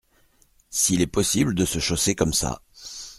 S’il est possible de se chausser comme ça !